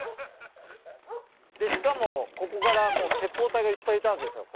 でしかもここからもう鉄砲隊がいっぱいいたわけですよ。